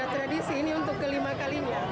tradisi ini untuk kelima kalinya